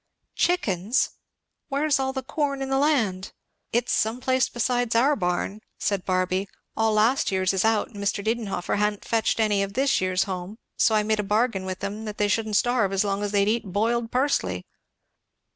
"Chickens! where's all the corn in the land?" "It's some place besides in our barn," said Barby. "All last year's is out, and Mr. Didenhover ha'n't fetched any of this year's home; so I made a bargain with 'em they shouldn't starve as long as they'd eat boiled pursley."